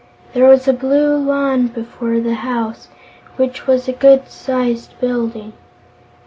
There was a blue lawn before the house, which was a good sized building.